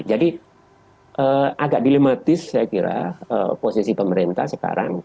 jadi agak dilematis saya kira posisi pemerintah sekarang